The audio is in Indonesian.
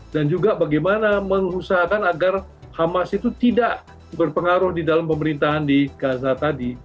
dan juga bagaimana mengusahakan agar hamas itu tidak berpengaruh di dalam pemerintahan di gaza tadi